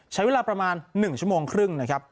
ใช้เวลาประมาณ๑ชั่วโมงครึ่งนะครับ